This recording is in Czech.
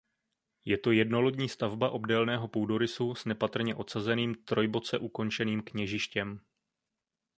Je to jednolodní stavba obdélného půdorysu s nepatrně odsazeným trojboce ukončeným kněžištěm.